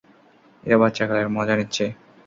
এরা বাচ্চাকালের মজা নিচ্ছে।